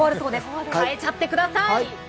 変えちゃってください。